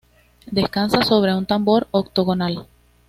Descansa sobre un tambor octogonal.